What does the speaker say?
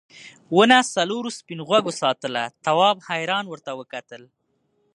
ونه څلورو سپین غوږو ساتله تواب حیران ورته وکتل.